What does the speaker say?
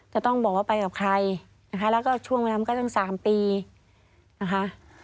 จะต้องบอกว่าไปกับใครนะคะแล้วก็ช่วงเวลามันก็ตั้ง๓ปีนะคะ